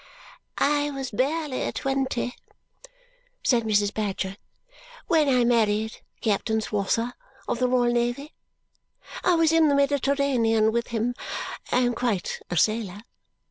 "I was barely twenty," said Mrs. Badger, "when I married Captain Swosser of the Royal Navy. I was in the Mediterranean with him; I am quite a sailor.